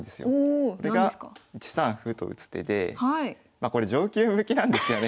まこれ上級向けなんですけどね。